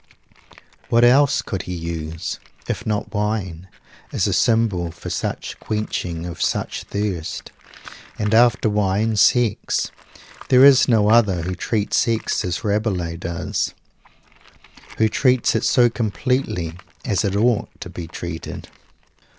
What else could he use, if not wine, as a symbol for such quenching of such thirst. And after wine, sex. There is no other who treats sex as Rabelais does; who treats it so completely as it ought to be treated!